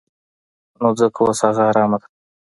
نو ځکه اوس هغه ارامه ده.